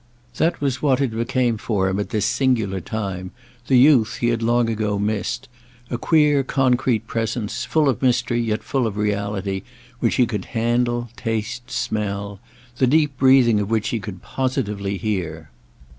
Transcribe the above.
That was what it became for him at this singular time, the youth he had long ago missed—a queer concrete presence, full of mystery, yet full of reality, which he could handle, taste, smell, the deep breathing of which he could positively hear.